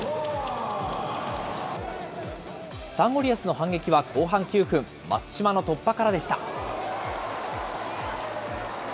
サンゴリアスの反撃は後半９分、松島の突破からでした。